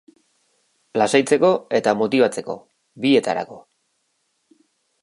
Lasaitzeko eta motibatzeko, bietarako.